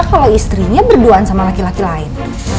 kalau istrinya berduaan sama laki laki lain